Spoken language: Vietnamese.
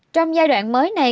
trong giai đoạn mới này